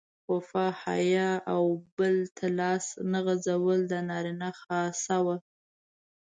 وفا، حیا او بل ته لاس نه غځول د نارینه خاصه وه.